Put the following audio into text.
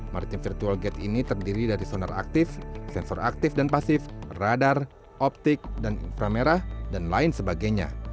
maritim virtual gate ini terdiri dari sonar aktif sensor aktif dan pasif radar optik dan inframerah dan lain sebagainya